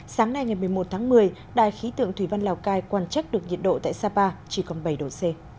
sáng nay ngày một mươi một tháng một mươi đài khí tượng thủy văn lào cai quan chắc được nhiệt độ tại sapa chỉ còn bảy độ c